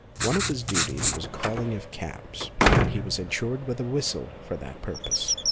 One of his duties was the calling of cabs, and he was entrusted with a whistle for that purpose.